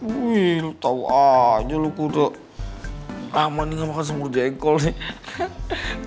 wih lo tau aja lo kuda aman nih ngak makan sebur jengkol nih